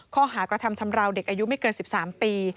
ข้อหากระทำชำราวเด็กอายุไม่เกิน๑๓ปี